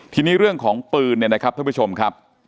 ทีนี้เรื่องของปืนเนี่ยนะครับท่านผู้ชมครับ